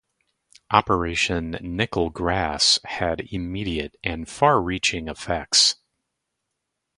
Operation Nickel Grass had immediate and far-reaching effects.